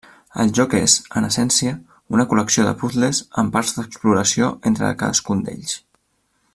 El joc és, en essència, una col·lecció de puzles amb parts d'exploració entre cadascun d'ells.